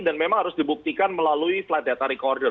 dan memang harus dibuktikan melalui flight data recorder